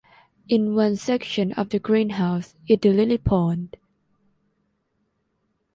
In one section of the greenhouse is the lily pond.